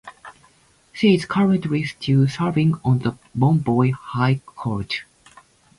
She is currently still serving on the Bombay High Court.